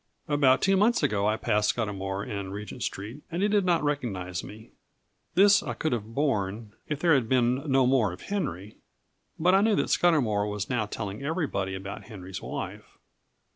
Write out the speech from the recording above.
About two months ago I passed Scudamour in Regent Street, and he did not recognise me. This I could have borne if there had been no more of Henry; but I knew that Scudamour was now telling everybody about Henry's wife.